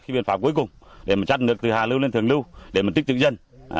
là cái biện phạm cuối cùng để mà chắt nước từ hà lưu lên thường lưu để mà trích tự dân